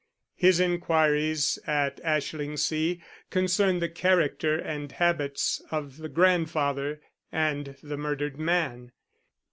His inquiries at Ashlingsea concerned the character and habits of the grandfather and the murdered man.